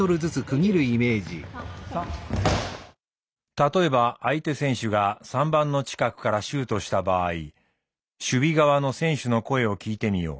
例えば相手選手が３番の近くからシュートした場合守備側の選手の声を聞いてみよう。